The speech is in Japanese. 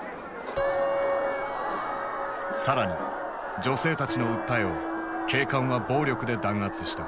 更に女性たちの訴えを警官は暴力で弾圧した。